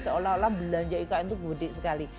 seolah olah belanja ikn itu budik sekali